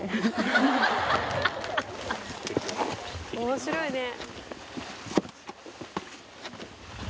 面白いね。